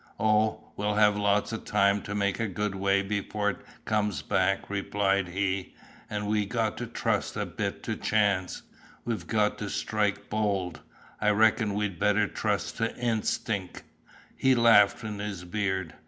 "Oh, we'll have lots of time to make a good way before it comes back," replied he, "and we've got to trust a bit to chance, we've got to strike bold. I reckon we'd better trust to instinc'." He laughed in his beard.